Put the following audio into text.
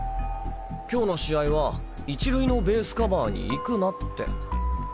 今日の試合は１塁のベースカバーに行くなって。